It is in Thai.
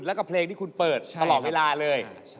แล้วก็เพลงที่คุณเปิดตลอดเวลาเลย